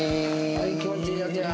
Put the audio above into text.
はい気持ちいいやつや。